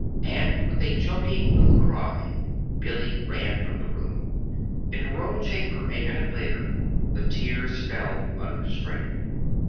And with a choking little cry Billy ran from the room. In her own chamber a minute later the tears fell unrestrained.